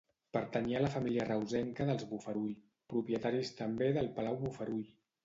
Pertanyia a la família reusenca dels Bofarull, propietaris també del palau Bofarull.